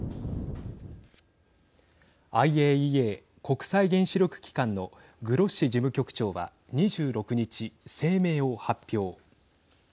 ＩＡＥＡ＝国際原子力機関のグロッシ事務局長は２６日声明を発表。